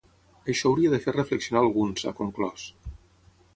Això hauria de fer reflexionar alguns, ha conclòs.